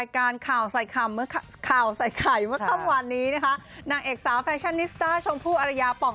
แล้วเขาเลือกเป็นผู้ชายผู้หญิง